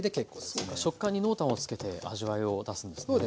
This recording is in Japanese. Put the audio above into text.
そうか食感に濃淡をつけて味わいを出すんですね。